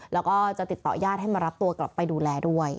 แล้วก็จะติดต่อญาติให้มารับตัวกลับไปดูแลด้วย